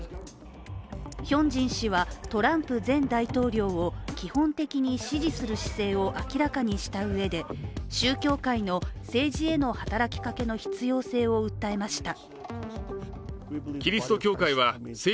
ヒョンジン氏は、トランプ前大統領を基本的に支持する姿勢を明らかにしたうえで宗教界の政治への働きかけの必要性を訴えました。